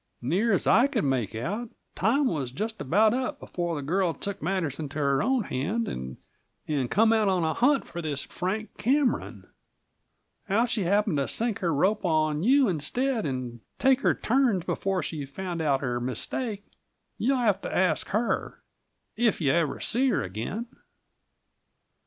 Near as I could make it out, the time was just about up before the girl took matters into her own hand, and come out on a hunt for this Frank Cameron. How she happened to sink her rope on you instead, and take her turns before she found out her mistake, you'll have to ask her if you ever see her again.